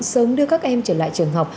sớm đưa các em trở lại trường học